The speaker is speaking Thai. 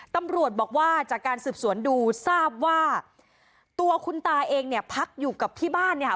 ตำรวจบอกว่าจากการสืบสวนดูทราบว่าตัวคุณตาเองเนี่ยพักอยู่กับที่บ้านเนี่ยค่ะ